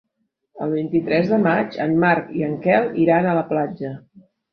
El vint-i-tres de maig en Marc i en Quel iran a la platja.